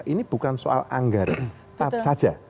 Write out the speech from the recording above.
ini bukan soal anggaran saja